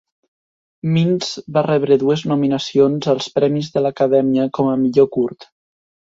Mintz va rebre dues nominacions als Premis de l'Acadèmia com a Millor Curt.